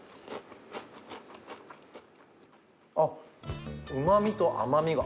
あっうまみと甘みが。